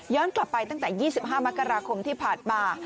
กลับไปตั้งแต่๒๕มกราคมที่ผ่านมา